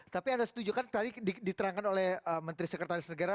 tapi anda setujukan tadi diterangkan oleh menteri sekretaris negara